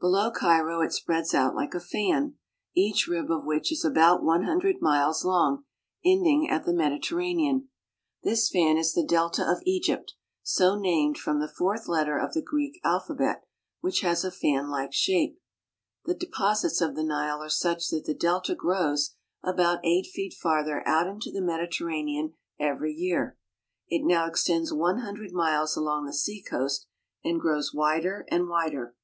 Below Cairo it spreads out like a fan, each rib of which is about one hundred . miles long, ending at the Mediterranean. This fan is the delta of Egypt, so named from the fourth letter of the Greek alphabet, which has a fanUke shape. The deposits of the Nile are such that the delta grows about eight feet farther out into the Mediterranean every year. It now extends one hundred miles along the seacoast and grows wider and wider.